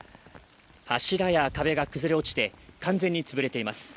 柱や壁が崩れ落ちて、完全に潰れています。